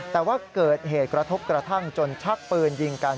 แต่ว่าเกิดเหตุกระทบกระทั่งจนชักปืนยิงกัน